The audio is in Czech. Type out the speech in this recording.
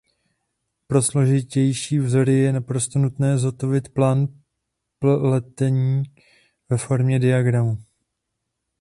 Pro složitější vzory je naprosto nutné zhotovit plán pletení ve formě diagramu.